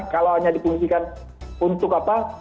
kalau hanya dipungsikan untuk apa